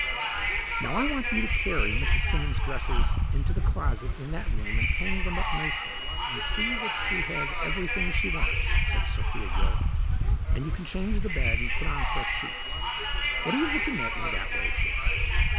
"Now I want you to carry Mrs. Simmons' dresses into the closet in that room and hang them up nicely, and see that she has everything she wants," said Sophia Gill. "And you can change the bed and put on fresh sheets. What are you looking at me that way for?"